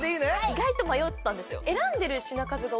意外と迷ったんですよ